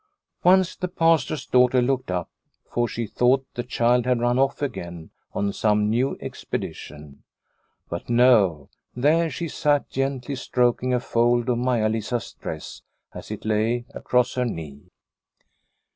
Once the Pastor's daughter looked up, for she thought the child had run off again on some new expedition. But no, there she sat, gently stroking a fold of Maia Lisa's dress as it lay across her knee.